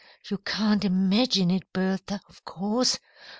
You can't imagine it, Bertha, of course.